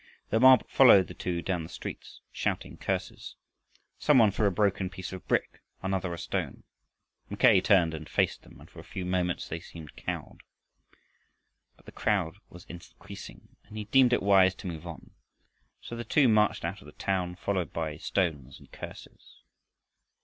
The mob followed the two down the streets, shouting curses. Some one threw a broken piece of brick, another a stone. Mackay turned and faced them, and for a few moments they seemed cowed. But the crowd was increasing, and he deemed it wise to move on. So the two marched out of the town followed by stones and curses.